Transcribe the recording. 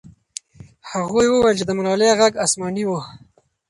هغوی وویل چې د ملالۍ ږغ آسماني و.